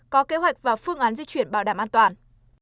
có kế hoạch và phương án di chuyển bảo đảm an toàn